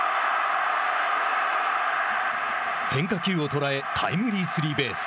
変化球を捉えタイムリースリーベース。